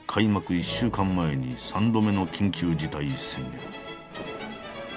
１週間前に３度目の緊急事態宣言。